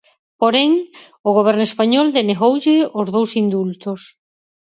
Porén, o goberno español denegoulle os dous indultos.